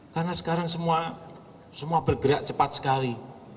karena sekarang semua bergerak cepat sekali